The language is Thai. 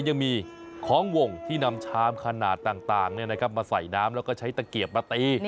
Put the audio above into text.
ยังมีของวงที่นำชามขนาดต่างมาใส่น้ำแล้วก็ใช้ตะเกียบมาตี